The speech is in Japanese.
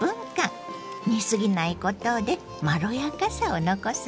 煮すぎないことでまろやかさを残すのよ。